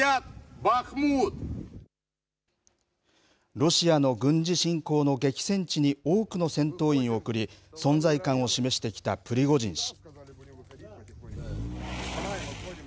ロシアの軍事侵攻の激戦地に多くの戦闘員を送り、存在感を示してきたプリゴジン氏。